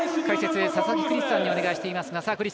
解説、佐々木クリスさんにお願いしています。